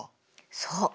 そう。